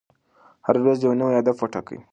هره ورځ یو نوی هدف وټاکئ.